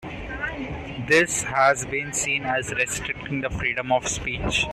This has been seen as restricting the freedom of speech.